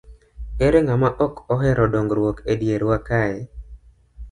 Ere ng'ama ok ohero dongruok e dierwa kae?